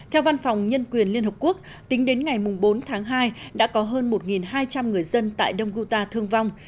theo văn phòng nhân quyền liên hợp quốc tính đến ngày bốn tháng hai đã có hơn một hai trăm linh người dân tại đông guta thương vong